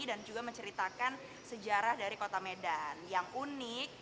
dan juga menceritakan sejarah dari kota medan yang unik